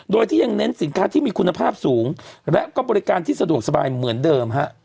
โดยที่ยังเน้นสินค้าที่มีคุณภาพสูงและก็บริการที่สะดวกสบายเหมือนเดิมฮะ